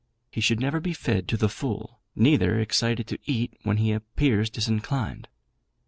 He should never be fed to the full; neither excited to eat when he appears disinclined.